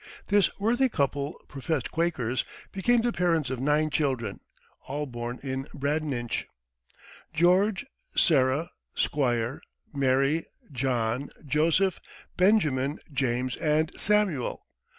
This worthy couple, professed Quakers, became the parents of nine children, all born in Bradninch George, Sarah, Squire, Mary, John, Joseph, Benjamin, James, and Samuel.